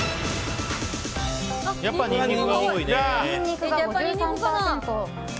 やっぱりニンニクが多いね。